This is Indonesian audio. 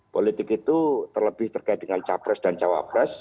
politik itu terlebih terkait dengan capres dan cawapres